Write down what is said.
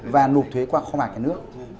và nộp thuế qua kho bạc nhà nước